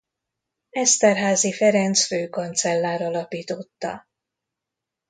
Eszterházy Ferenc főkancellár alapította.